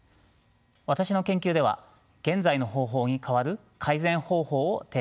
私の研究では現在の方法に代わる改善方法を提案しています。